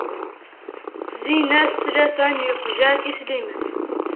Zzin-as tlata n yeqjan i Sliman.